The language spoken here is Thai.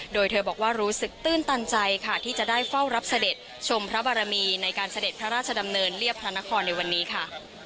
โดยเธอบอกว่ารู้สึกตื้นตันใจค่ะที่จะได้เฝ้ารับเสด็จชมพระบารมีในการเสด็จพระราชดำเนินเรียบพระนครในวันนี้ค่ะ